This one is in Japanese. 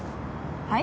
はい？